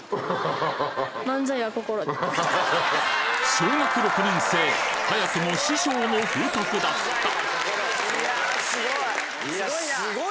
小学６年生早くも師匠の風格だった素晴らしい。